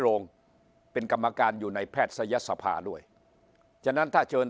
โรงเป็นกรรมการอยู่ในแพทยศภาด้วยฉะนั้นถ้าเชิญ